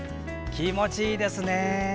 気持ちいいですね。